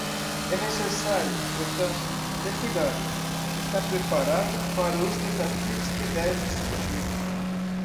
É necessário, portanto, ter cuidado, estar preparado para os desafios que devem surgir.